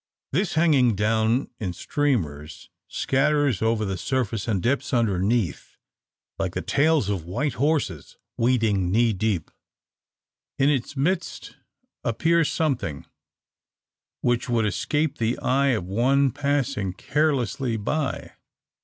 This hanging down in streamers, scatters over the surface and dips underneath, like the tails of white horses wading knee deep. In its midst appears something, which would escape the eye of one passing carelessly by.